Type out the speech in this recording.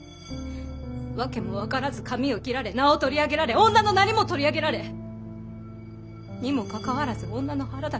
わけも分からず髪を切られ名を取り上げられ女のなりも取り上げられにもかかわらず女の腹だけは貸せという。